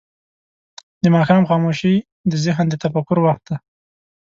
د ماښام خاموشي د ذهن د تفکر وخت دی.